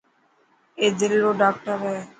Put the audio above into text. اي دل رو ڊاڪٽر هي.